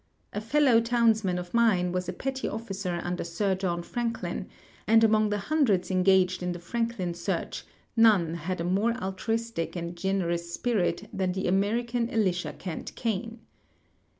A fellow townsman of mine was a petty officer under Sir John Franklin, and among the hundreds engaged in tlie Franklin search none had a more altruistic and generous spirit than the American Elisha Kent Kane.